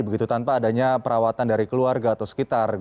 begitu tanpa adanya perawatan dari keluarga atau sekitar